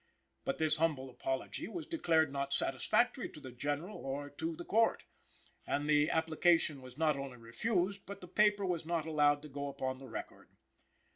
But this humble apology was declared not satisfactory to the General or to the Court; and the application was not only refused but the paper was not allowed to go upon the record.